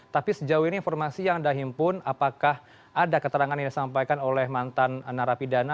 tapi sejauh ini informasi yang anda himpun apakah ada keterangan yang disampaikan oleh mantan narapidana